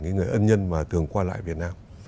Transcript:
cái người ân nhân mà thường qua lại việt nam